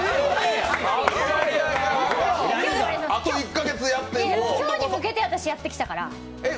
あと１か月やって今日に向けて私、やってきたから。